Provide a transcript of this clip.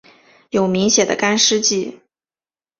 有明显的干湿季。